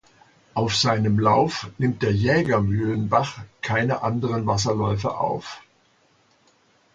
Auf seinem Lauf nimmt der Jägermühlenbach keine anderen Wasserläufe auf.